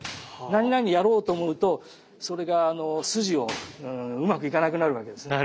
何々やろうと思うとそれが筋をうまくいかなくなるわけですね。